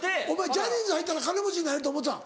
ジャニーズ入ったら金持ちになれると思ってたん？